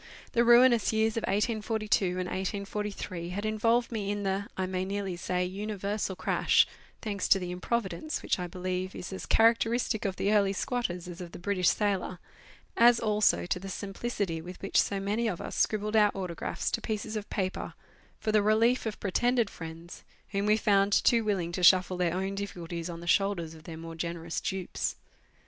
The ruinous years of 1842 and 1843 had involved me in the, I may nearly say, universal crash, thanks to the improvidence which I believe is as characteristic of the early squatters as of the British sailor, as also to the simplicity with which so many of us scribbled our autographs to pieces of paper for the relief of pretended friends, whom we found too willing to shuffle their own difficulties on the shoulders of their more generous dupes.